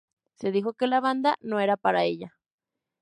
Se dijo que la banda "no era para ella".